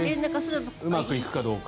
うまくいくかどうか。